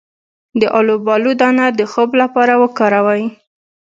د الوبالو دانه د خوب لپاره وکاروئ